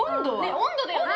温度だよね！